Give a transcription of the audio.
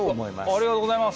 ありがとうございます。